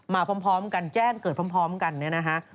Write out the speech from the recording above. พร้อมกันแจ้งเกิดพร้อมกันเนี่ยนะฮะ